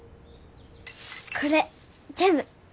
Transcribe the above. これジャム。